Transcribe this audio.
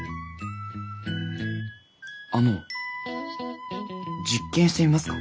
あの実験してみますか？